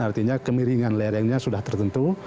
artinya kemiringan lerengnya sudah tertentu